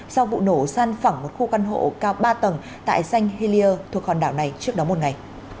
do vụ nổ săn phẳng một khu căn hộ cao ba tầng tại sanh hillier thuộc hòn đảo này trước đó một ngày